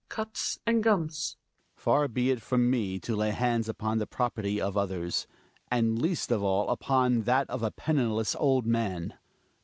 {Guts and gums.) Far be it from me to lay bands upon the property of others — and least of all upon that of a penniless old man.